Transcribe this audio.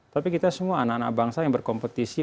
tapi kita semua anak anak bangsa yang berkompetisi